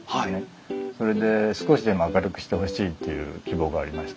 それで少しでも明るくしてほしいっていう希望がありました。